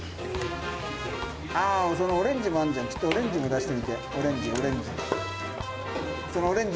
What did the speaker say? ああ、そのオレンジもあんじゃん、オレンジも出してみて、オレンジ、オレンジ。